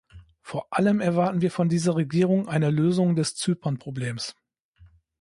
Vor allem erwarten wir von dieser Regierung eine Lösung des Zypernproblems.